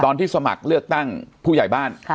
สมัครเลือกตั้งผู้ใหญ่บ้าน